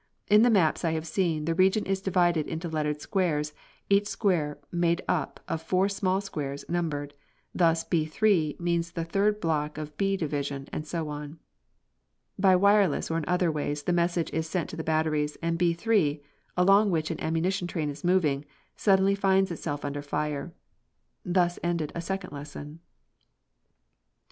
In the maps I have seen the region is divided into lettered squares, each square made up of four small squares, numbered. Thus B 3 means the third block of the B division, and so on. By wireless or in other ways the message is sent to the batteries, and B 3, along which an ammunition train is moving, suddenly finds itself under fire. Thus ended the second lesson!